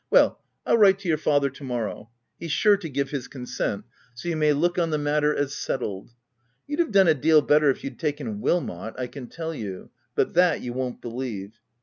— Well, I'll write to your father to morrow. He's sure to give his consent ; so you may look on the matter as settled. You'd have done a deal better if you'd taken Wilmot, I can tell you ; but that you won't believe.